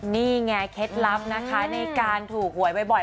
นี่ไงเคล็ดลับนะคะในการถูกหวยบ่อย